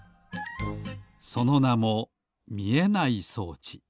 そのなもみえない装置。